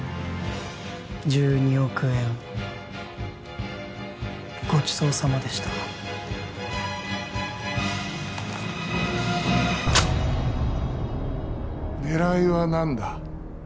１２億円ごちそうさまでした狙いは何だ？